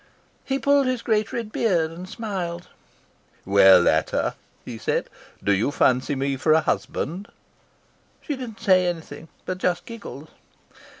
"He pulled his great red beard and smiled. "'Well, Ata,' he said, 'do you fancy me for a husband.' "She did not say anything, but just giggled.